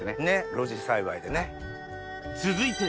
露地栽培でね。